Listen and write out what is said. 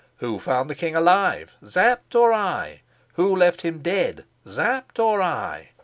Who found the king alive, Sapt or I? Who left him dead, Sapt or I?